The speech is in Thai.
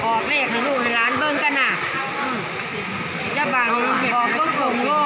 ความเข้าใจสฤษภิกษาจบดัง